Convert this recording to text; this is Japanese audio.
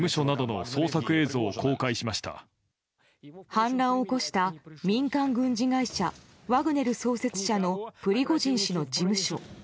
反乱を起こした民間軍事会社ワグネル創設者のプリゴジン氏の事務所。